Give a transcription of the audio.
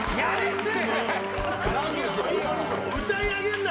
歌い上げるな！